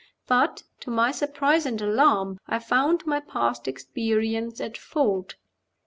But, to my surprise and alarm, I found my past experience at fault.